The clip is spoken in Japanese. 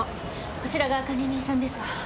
こちらが管理人さんです。